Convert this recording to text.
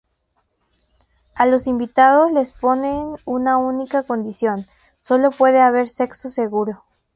A los invitados les ponen una única condición: solo puede haber sexo seguro.